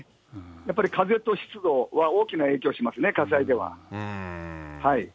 やっぱり風と湿度は、大きな影響しますね、火災では。